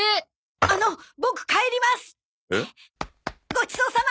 ごちそうさま。